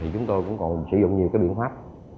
chúng tôi cũng còn sử dụng nhiều biện pháp